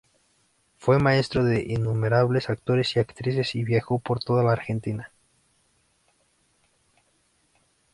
Fue maestro de innumerables actores y actrices, y viajó por toda la Argentina.